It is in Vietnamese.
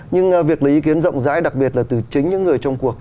nhưng việc lấy ý kiến rộng rãi đặc biệt là từ chính những người trong cuộc